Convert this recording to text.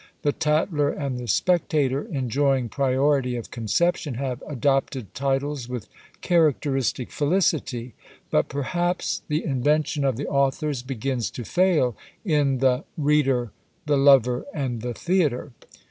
The "Tatler" and the "Spectator," enjoying priority of conception, have adopted titles with characteristic felicity; but perhaps the invention of the authors begins to fail in the "Reader," the "Lover," and the "Theatre!"